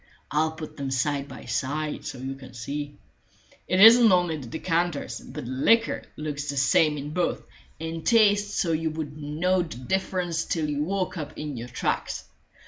I'll put them side by side, so you can see. It isn't only the decanters, but the liquor looks the same in both, and tastes so you wouldn't know the difference till you woke up in your tracks.